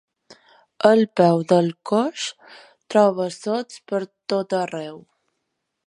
El peu del coix troba sots per tot arreu.